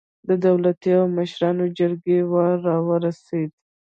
د دولتي او مشرانو جرګې وار راورسېد.